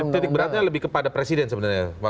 jadi itu titik beratnya lebih kepada presiden sebenarnya